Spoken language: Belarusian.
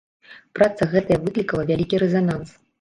Праца гэтая выклікала вялікі рэзананс.